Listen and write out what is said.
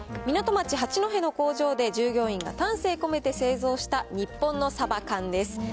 港町、八戸の工場で従業員が丹精込めて製造した、日本のさば缶です。